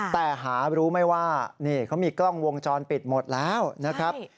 แต่หารู้ไหมว่านี่เขามีกล้องวงจรปิดหมดแล้วนะครับ